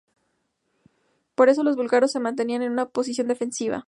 Por eso, los búlgaros se mantenían en una posición defensiva.